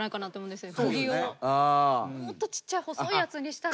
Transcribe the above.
もっとちっちゃい細いやつにしたら。